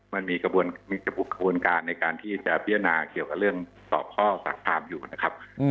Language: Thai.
มันมีกระบวนการในการที่จะพิจารณาเกี่ยวกับเรื่องสอบข้อสักถามอยู่นะครับ